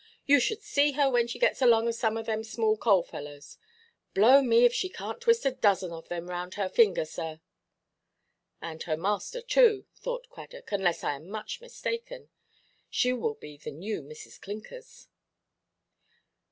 You should see her when she gets along of some of them small–coals fellows. Blow me if she canʼt twist a dozen of them round her finger, sir." "And her master too," thought Cradock; "unless I am much mistaken, she will be the new Mrs. Clinkers."